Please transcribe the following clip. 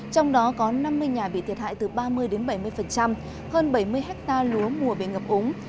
trong đó có năm mươi nhà bị thiệt hại từ ba mươi đến bảy mươi hơn bảy mươi hectare lúa mùa bị ngập úng